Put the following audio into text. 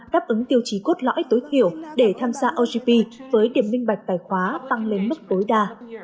đáp ứng tiêu chí cốt lõi tối thiểu để tham gia ogp với điểm minh bạch tài khoá tăng lên mức tối đa